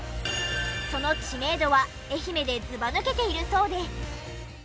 その知名度は愛媛でズバ抜けているそうで。